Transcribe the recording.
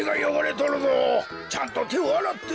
ちゃんとてをあらって。